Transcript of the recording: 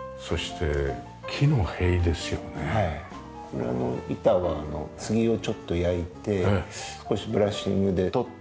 これ板は杉をちょっと焼いて少しブラッシングで取って。